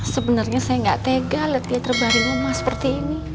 sebenernya saya gak tega liat dia terbaring emas seperti ini